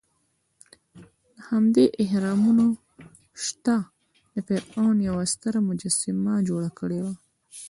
دهمدې اهرامونو شاته د فرعون یوه ستره مجسمه جوړه کړې وه.